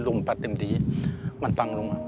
ลูกพลังมันทรงไห้ลงมา